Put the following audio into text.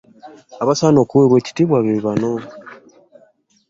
Abasaana okuweebwa ekitiibwa be bano.